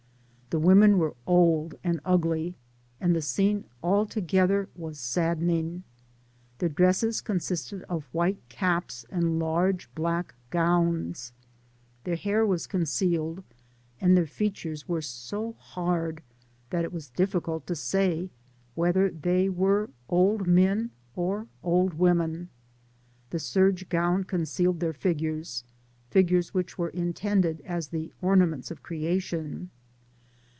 The women were old and ugly, and the scene altogether was saddening. Their dresses consisted of white caps and large black gown»— their hair was concealed, and their features were so hard, that it was difficult to say whether they were old men or old women :— the serge gown concealed their figures — figures which were intended as the ornaments of creation.